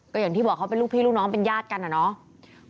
ก็อย่างที่บอกเขาเป็นลูกพี่ลูกน้องเป็นญาติกันอะเนาะ